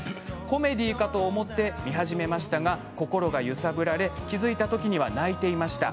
コメディーかと思って見始めましたが心が揺さぶられ気付いたときには泣いてました。